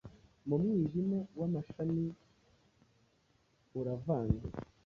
Mumwijima wamashami uravanze?